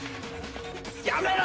やめろ！